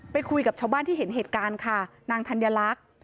คุยกับชาวบ้านที่เห็นเหตุการณ์ค่ะนางธัญลักษณ์